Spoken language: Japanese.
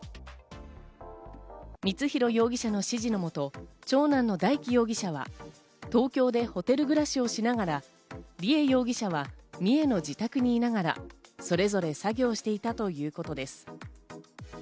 光弘容疑者が指示のもと、長男の大祈容疑者は東京でホテル暮らしをしながら梨恵容疑者は三重の自宅にいながらそれぞれ作業していたということです。